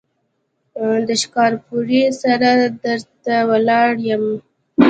د ښکارپورۍ سره در ته ولاړ يم.